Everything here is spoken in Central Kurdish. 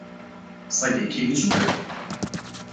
سەگێکی بچووکە.